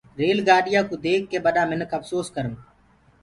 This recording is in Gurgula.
ريل گآڏيآ ڪوُ ديک ڪي ٻڏآ مِنک اڦسوس ڪرن۔